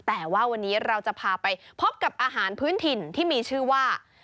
แต่ว่าวันนี้เราจะพาไปพบกับอาหารพื้นถิ่นที่มีชื่อว่า